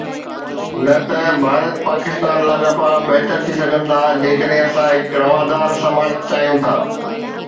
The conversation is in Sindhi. نه ته ڀارت پاڪستان لاڳاپا بهتر ٿي سگهن ٿا جيڪڏهن اسان هڪ روادار سماج چاهيون ٿا.